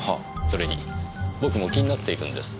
それに僕も気になっているんです。